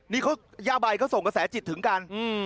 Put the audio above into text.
นี่เขาย่าใบเขาส่งกระแสจิตถึงกัน